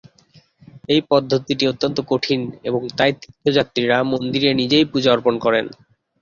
এই পদ্ধতিটি অত্যন্ত কঠিন এবং তাই তীর্থযাত্রীরা মন্দিরে নিজেই পূজা অর্পণ করেন।